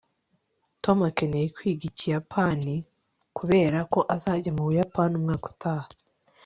tom akeneye kwiga ikiyapani, kubera ko azajya mu buyapani umwaka utaha